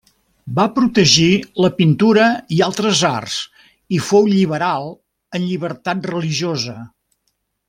Va protegir la pintura i altres arts i fou lliberal en llibertat religiosa.